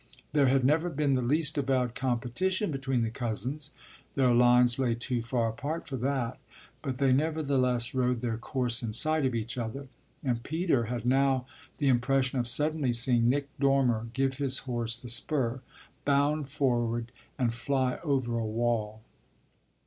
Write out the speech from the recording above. There had never been the least avowed competition between the cousins their lines lay too far apart for that; but they nevertheless rode their course in sight of each other, and Peter had now the impression of suddenly seeing Nick Dormer give his horse the spur, bound forward and fly over a wall.